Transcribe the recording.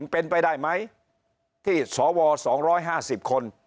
เป็นไปได้ไหมที่สวสองร้อยห้าสิบคน